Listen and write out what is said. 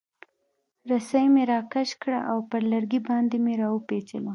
رسۍ مې راکش کړه او پر لرګي باندې مې را وپیچله.